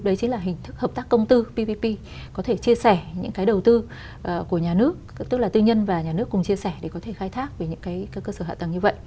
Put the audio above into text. đấy chính là hình thức hợp tác công tư ppp có thể chia sẻ những cái đầu tư của nhà nước tức là tư nhân và nhà nước cùng chia sẻ để có thể khai thác về những cái cơ sở hạ tầng như vậy